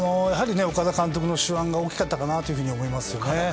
岡田監督の手腕が大きかったかなと思います。